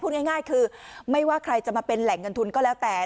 ง่ายคือไม่ว่าใครจะมาเป็นแหล่งเงินทุนก็แล้วแต่